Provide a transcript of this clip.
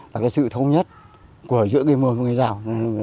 và cái sự thống nhất của giữa người mường và người giàu